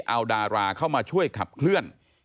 เอาดาราเข้ามาช่วยขับเคลื่อน